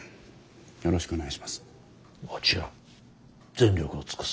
よろしくお願いします。